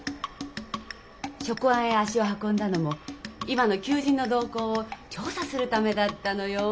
職安へ足を運んだのも今の求人の動向を調査するためだったのよ。